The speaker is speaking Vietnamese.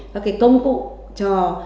các cái công cụ cho